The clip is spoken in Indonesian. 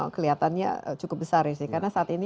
kelihatannya cukup besar ya sih karena saat ini